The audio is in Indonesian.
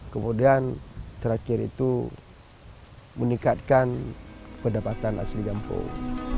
kemudian terakhir itu meningkatkan pendapatan asli kampung